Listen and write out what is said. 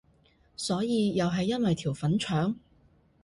所以又係因為條粉腸？